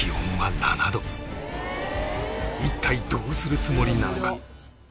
一体どうするつもりなのか？